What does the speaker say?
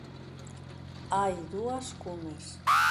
Hai dúas cumes.